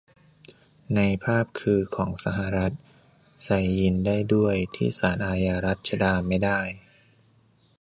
ในภาพคือของสหรัฐ ใส่ยีนส์ได้ด้วย ที่ศาลอาญารัชดาไม่ได้